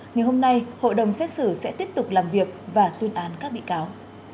ngày hôm nay hội đồng xét xử sẽ tiếp tục làm việc và tuyên án các bị cáo